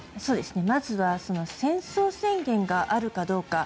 まずは戦争宣言があるかどうか。